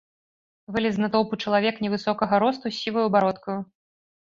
Вылез з натоўпу чалавек невысокага росту з сіваю бародкаю.